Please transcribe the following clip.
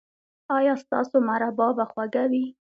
ایا ستاسو مربا به خوږه وي؟